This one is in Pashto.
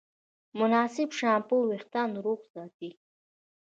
مناسب شامپو وېښتيان روغ ساتي.